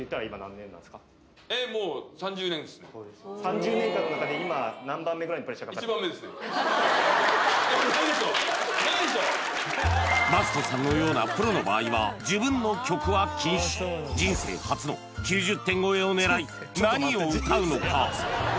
もう３０年っすねマストさんのようなプロの場合は自分の曲は禁止人生初の９０点超えを狙い何を歌うのか？